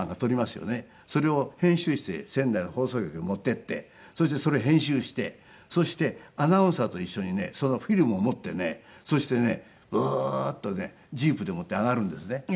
それを編集室へ仙台の放送局へ持っていってそしてそれ編集してそしてアナウンサーと一緒にねそのフィルムを持ってねブーッとねＪｅｅｐでもって上がるんですね大年寺山へ。